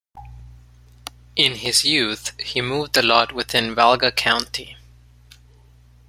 In his youth he moved a lot within Valga County.